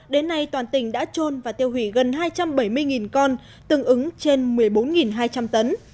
đến nay toàn tỉnh đã trôn và tiêu hủy gần hai trăm bảy mươi con tương ứng trên một mươi bốn hai trăm linh tấn